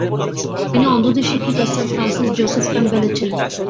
তিনি অন্ধদের শিক্ষিকা স্যার ফ্রান্সিস জোসেফ ক্যাম্পবেলের ছেলে।